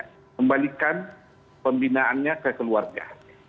kembalikan pembinaannya ke keluarga